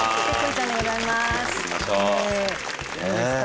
どうですか？